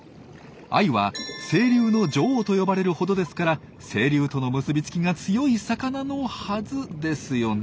アユは「清流の女王」と呼ばれるほどですから清流との結びつきが強い魚のはずですよね。